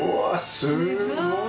すごい